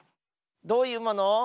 どういうもの？